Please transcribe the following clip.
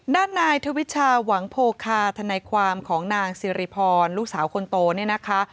ด้านนายทวิชาหวังโพคาทนายความของนางสิริพรลูกสาวคนโตเนี่ยนะคะ